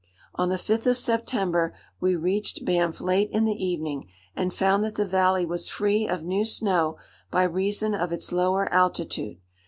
On the fifth of September we reached Banff late in the evening, and found that the valley was free of new snow by reason of its lower altitude.